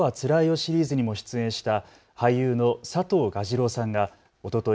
シリーズにも出演した俳優の佐藤蛾次郎さんがおととい